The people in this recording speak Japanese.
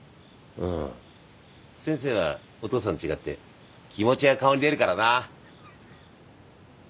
先生はお父さんと違って気持ちが顔に出るからな。